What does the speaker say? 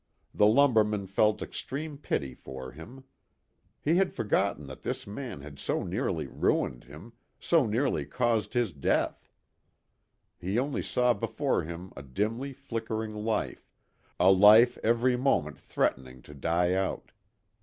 The lumberman felt extreme pity for him. He had forgotten that this man had so nearly ruined him, so nearly caused his death. He only saw before him a dimly flickering life, a life every moment threatening to die out.